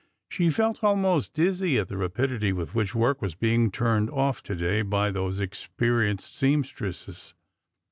She felt almost dizzy at the rapidity with which work was being turned off to day by these experienced seamstresses.